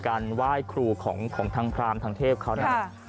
การไหว้ครูของทางพราหมณ์ทางเทพศิษย์เขานั้น